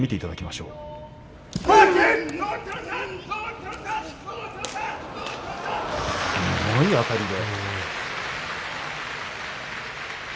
すごいあたりで。